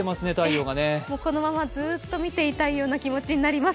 このままずっと見ていたいような気持ちになります。